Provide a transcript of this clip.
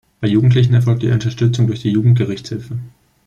Bei Jugendlichen erfolgt die Unterstützung durch die Jugendgerichtshilfe.